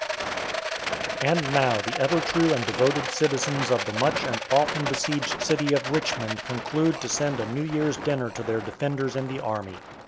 And now the ever true and devoted citizens of the much and often besieged city of Richmond conclude to send a New Year's dinner to their defenders in the army.